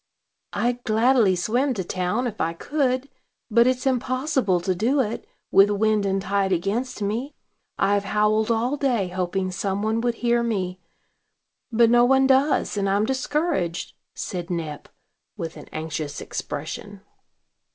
"I'd gladly swim to town, if I could; but it's impossible to do it, with wind and tide against me. I've howled all day, hoping some one would hear me; but no one does, and I'm discouraged," said Nep, with an anxious expression.